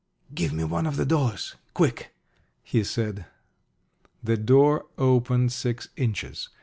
"Give me one of the dollars quick!" he said. The door opened six inches.